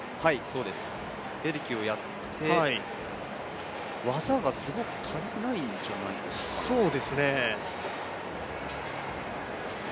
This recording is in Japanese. ベルキをやって、技がすごく足りないんじゃないですかね。